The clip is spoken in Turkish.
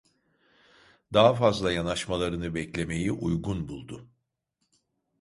Daha fazla yanaşmalarını beklemeyi uygun buldu.